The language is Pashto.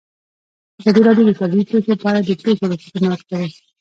ازادي راډیو د طبیعي پېښې په اړه د پېښو رپوټونه ورکړي.